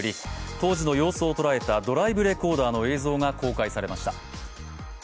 当時の様子を捉えたドライブレコーダーの映像が公開されました。